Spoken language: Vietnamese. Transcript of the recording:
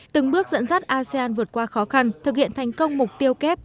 từng bước dẫn dắt asean vượt qua khó khăn thực hiện thành công mục tiêu kép